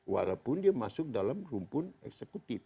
walaupun dia masuk dalam rumpun eksekutif